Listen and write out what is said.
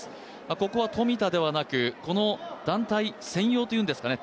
ここは冨田ではなく、この団体専用というんですかね